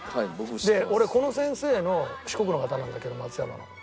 で俺この先生の四国の方なんだけど松山の。